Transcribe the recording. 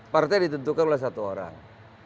partai ditentukan oleh satu orang